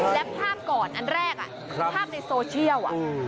และภาพก่อนอันแรกภาพในโซเชียล